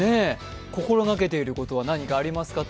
心がけていることは何かありますかと。